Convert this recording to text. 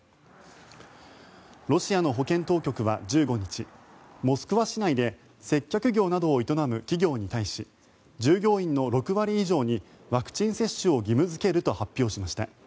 ロシアの保健当局は１５日モスクワ市内で接客業などを営む企業に対し従業員の６割以上にワクチン接種を義務付けると発表しました。